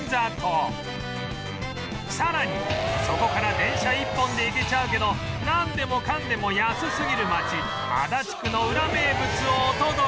さらにそこから電車一本で行けちゃうけどなんでもかんでも安すぎる街足立区のウラ名物をお届け